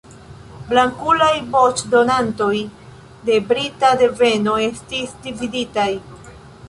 Blankulaj voĉdonantoj de brita deveno estis dividitaj.